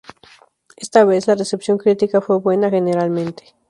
Esta vez la recepción critica fue buena generalmente.